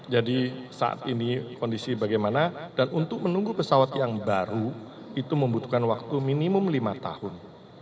jadi saat ini kondisi bagaimana dan untuk menunggu pesawat yang baru itu membutuhkan waktu minimum lima tahun